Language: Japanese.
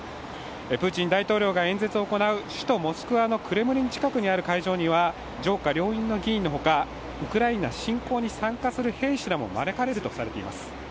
プーチン大統領が演説を行う首都モスクワのクレムリン近くにある会場には上下両院の議員のほかウクライナ侵攻に参加する兵士らも招かれるとされています。